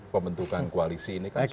pembentukan koalisi ini